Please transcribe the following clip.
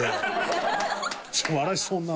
笑いそうになる。